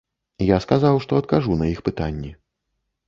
Я сказаў, што адкажу на іх пытанні.